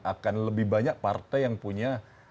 akan lebih banyak partai yang punya